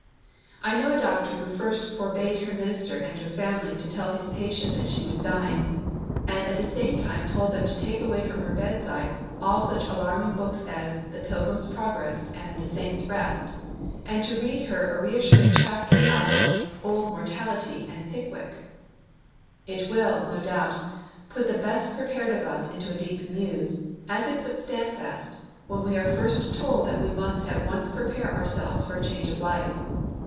I know a doctor who first forbade her minister and her family to tell his patient that she was dying, and at the same time told them to take away from her bedside all such alarming books as the Pilgrim's Progress and the Saint's Rest, and to read to her a reassuring chapter out of Old Mortality and Pickwick. It will, no doubt, put the best prepared of us into a deep muse, as it put Standfast, when we are first told that we must at once prepare ourselves for a change of life.